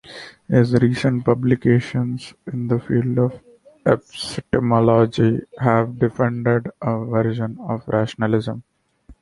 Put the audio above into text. His recent publications, in the field of epistemology, have defended a version of rationalism.